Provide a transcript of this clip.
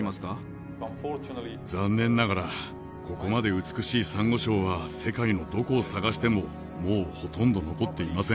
残念ながらここまで美しいサンゴ礁は世界のどこを捜してももうほとんど残っていません。